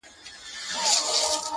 • دا هم ستا له ترجمان نظره غواړم..